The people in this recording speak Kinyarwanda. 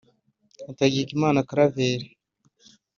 Hategekimana Claver